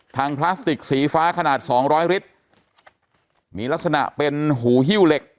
ถังพลาสติกสีฟ้าขนาด๒๐๐ริตรมีลักษณะเป็นหูฮิ้วเหล็ก